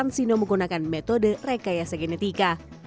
dan cansino menggunakan metode rekayasa genetika